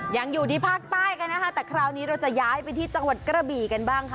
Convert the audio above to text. ยังอยู่ที่ภาคใต้กันนะคะแต่คราวนี้เราจะย้ายไปที่จังหวัดกระบี่กันบ้างค่ะ